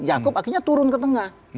jakub akhirnya turun ke tengah